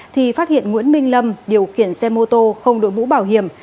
thì phát hiện nguyễn minh lâm điều khiển xe mô tô không đội mũ bảo hiểm